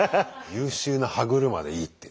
「優秀な歯車でいい」ってね。